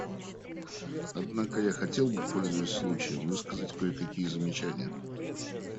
Однако я хотел бы, пользуясь случаем, высказать кое-какие замечания.